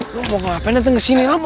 lo mau ngapain dateng kesini lo